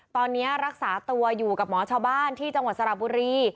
ตอนนี้รักษาตัวอยู่กับหมอชาวบ้านที่จังหวัดสระบุรี